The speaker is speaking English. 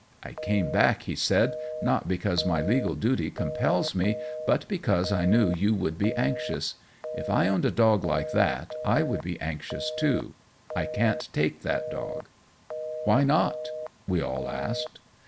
"I came back," he said, "not because my legal duty compels me, but because I knew you would be anxious. If I owned a dog like that, I would be anxious, too. I can't take that dog." "Why not?" we all asked.